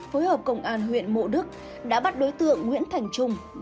phối hợp công an huyện mộ đức đã bắt đối tượng nguyễn thành trung